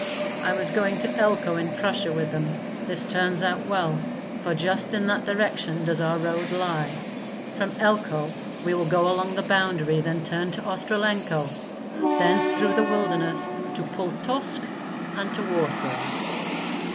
"I was going to Elko in Prussia with them; this turns out well, for just in that direction does our road lie. From Elko we will go along the boundary, then turn to Ostrolenko, thence through the wilderness to Pultusk and to Warsaw."